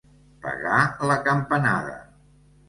Pegar la campanada.